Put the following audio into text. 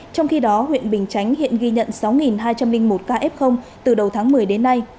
trong khi đó huyện bình chánh hiện ghi nhận sáu hai trăm linh một ca f từ đầu tháng một mươi đến nay